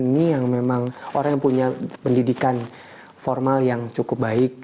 ini yang memang orang yang punya pendidikan formal yang cukup baik